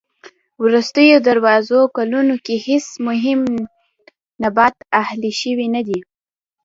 وروستيو دووزرو کلونو کې هېڅ مهم نبات اهلي شوی نه دي.